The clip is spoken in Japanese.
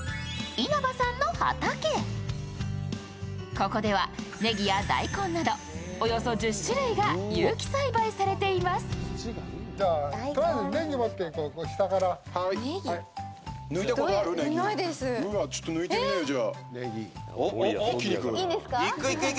ここでは、ねぎや大根などおよそ１０種類が有機栽培されています。